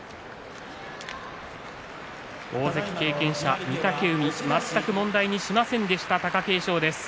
大関経験者、御嶽海全く問題にしませんでした貴景勝です。